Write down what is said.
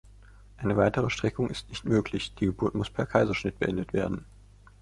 Eine weitere Streckung ist nicht möglich, die Geburt muss per Kaiserschnitt beendet werden.